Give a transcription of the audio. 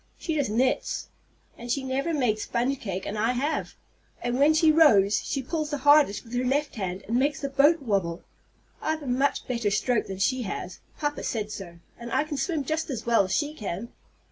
She just knits. And she never made sponge cake, and I have; and when she rows, she pulls the hardest with her left hand, and makes the boat wabble. I've a much better stroke than she has. Papa said so. And I can swim just as well as she can!